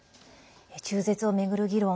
中絶を巡る議論